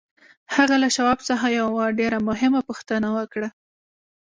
هغه له شواب څخه یوه ډېره مهمه پوښتنه وکړه